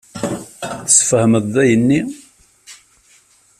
I tesfehmed-d ayenni?